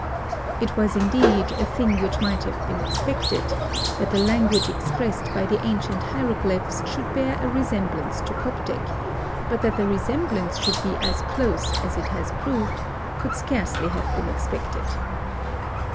It was, indeed, a thing which might have been expected, that the language expressed by the ancient Hieroglyphs should bear a resemblance to Coptic, but that the resemblance should be as close as it has proved could scarcely have been expected.